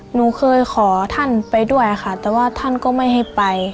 หนูเคยขอท่านไปด้วยค่ะแต่ว่าท่านก็ไม่ให้ไป